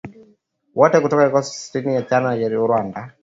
Wote kutoka kikosi cha sitini na tano cha jeshi la Rwanda"